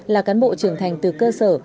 là cán bộ trưởng thành từ cơ sở